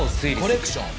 コレクション。